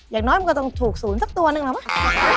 อย่างน้อยมันต้องถูกศูนย์ทักตัวนึงหรือเปล่า